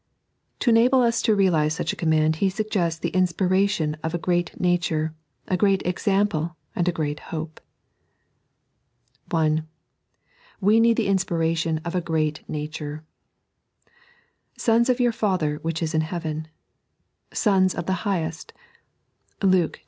To enable ns to realize such a command He suggests the Inspiration of a great Nature, a great £xample, (uid a great Hope. (I) We need the inspiration of a ffreat nature. " Sons of your Father which is in Heaven ";" Sons of the Highest " (Lube vi.